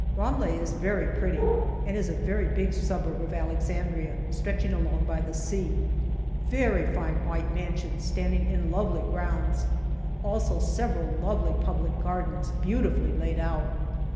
Ramleh is very pretty, and is a very big suburb of Alex andria, stretching along by the sea. Very fine white mansions standing in lovely grounds. Also several lovely public gardens, beautifully laid out.